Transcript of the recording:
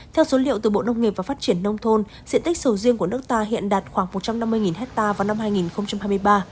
theo số liệu từ bộ nông nghiệp và phát triển nông thôn diện tích sầu riêng của nước ta hiện đạt khoảng một trăm năm mươi hectare vào năm hai nghìn hai mươi ba